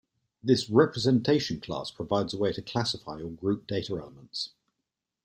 This "representation class" provides a way to classify or group data elements.